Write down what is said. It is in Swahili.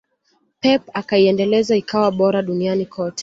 Pep akaiendeleza ikawa bora duniani kote